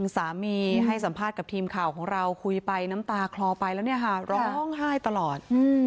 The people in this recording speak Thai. สามีให้สัมภาษณ์กับทีมข่าวของเราคุยไปน้ำตาคลอไปแล้วเนี่ยค่ะร้องไห้ตลอด